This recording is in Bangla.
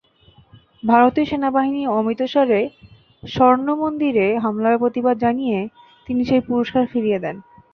ভারতীয় সেনাবাহিনীর অমৃতসরে স্বর্ণমন্দিরে হামলার প্রতিবাদ জানিয়ে তিনি সেই পুরস্কার ফিরিয়ে দেন।